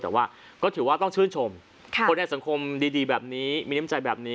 แต่ว่าก็ถือว่าต้องชื่นชมคนในสังคมดีแบบนี้มีน้ำใจแบบนี้